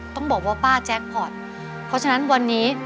ต้องบอกว่าป้าแจ็คพอร์ตเพราะฉะนั้นวันนี้